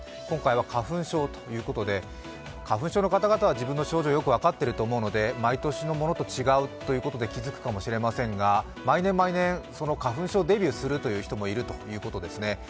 今回は花粉症ということで花粉症の方々は自分の症状よく分かっていると思うので毎年のものと違うということで気づくかもしれませんが、毎年毎年、花粉症デビューする人もいるということですね。